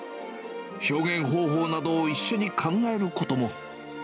表現方法などを一緒に考えることも。